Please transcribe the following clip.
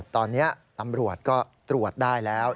ตอนนี้ตำรวจก็ตรวจได้แล้ว